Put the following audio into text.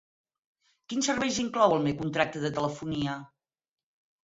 Quins serveis inclou el meu contracte de telefonia?